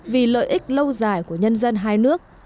vì lợi ích lâu dài của nhân dân hai nước